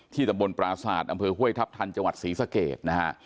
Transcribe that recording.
ที่ตะบนปราศาสตร์อำเภอห้วยทัพทันจังหวัดศรีสะเกต